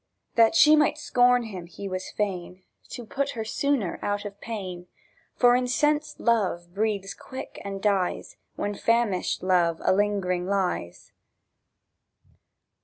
(That she might scorn him was he fain, To put her sooner out of pain; For incensed love breathes quick and dies, When famished love a lingering lies.)